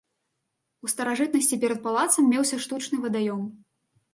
У старажытнасці перад палацам меўся штучны вадаём.